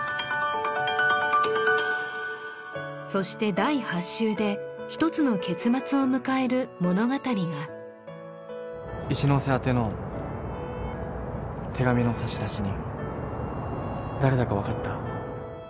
そして第８週で一つの結末を迎える物語が一ノ瀬宛ての手紙の差出人誰だか分かった？